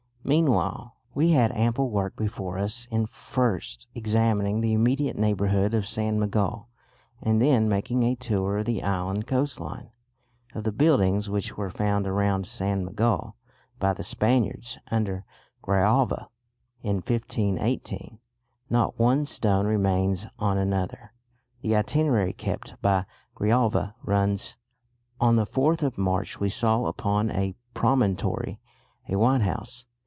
Meanwhile we had ample work before us in first examining the immediate neighbourhood of San Miguel and then making a tour of the island coastline. Of the buildings which were found around San Miguel by the Spaniards under Grijalva in 1518, not one stone remains on another. The itinerary kept by Grijalva runs: "On the 4th of March we saw upon a promontory a white house....